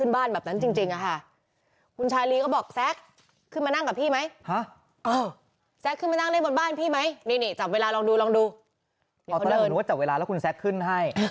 บ้านพี่ไหมนี่นี่จับเวลาลองดูลองดูแล้วคุณซักขึ้นให้